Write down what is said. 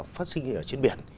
phát sinh ở trên biển